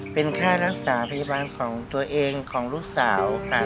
เป็นค่ารักษาพยาบาลของตัวเองของลูกสาวค่ะ